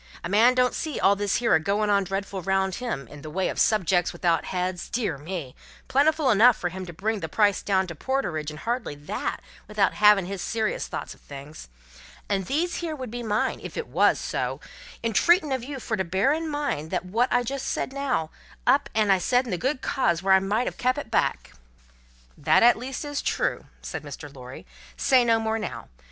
A man don't see all this here a goin' on dreadful round him, in the way of Subjects without heads, dear me, plentiful enough fur to bring the price down to porterage and hardly that, without havin' his serious thoughts of things. And these here would be mine, if it wos so, entreatin' of you fur to bear in mind that wot I said just now, I up and said in the good cause when I might have kep' it back." "That at least is true," said Mr. Lorry. "Say no more now.